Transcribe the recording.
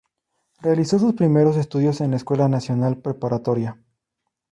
Realizó sus primeros estudios en la Escuela Nacional Preparatoria.